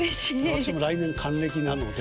私も来年還暦なので。